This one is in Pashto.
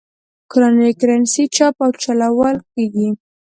کورنۍ کرنسي چاپ او چلول کېږي.